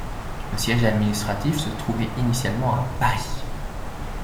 Le siège administratif se trouvait initialement à Paris.